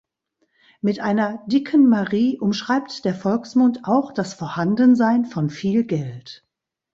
Mit einer „Dicken Marie“ umschreibt der Volksmund auch das Vorhandensein von viel Geld.